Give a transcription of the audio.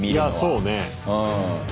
そうね。